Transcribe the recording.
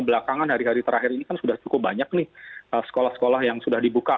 belakangan hari hari terakhir ini kan sudah cukup banyak nih sekolah sekolah yang sudah dibuka